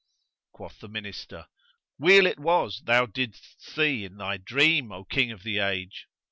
Quoth the Minister, "Weal it was thou didst see in thy dream, O King of the age!"